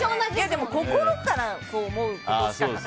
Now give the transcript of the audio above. でも心からそう思うことしか。